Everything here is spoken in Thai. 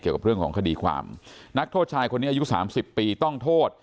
เกี่ยวกับเรื่องของคดีความนักโทษชายคนนี้อายุ๓๐ปีต้องโทษ